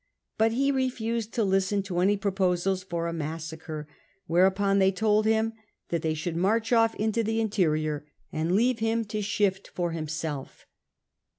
But he refused to listen to any proposals for a massacre, whereupon they told him that they should march off into the interior, and leave him to shift for himself.